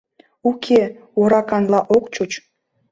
— Уке, вораканла ок чуч.